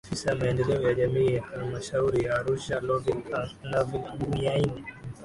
Afisa Maendeleo ya Jamii halmashauri ya Arusha Lovil Nguyaine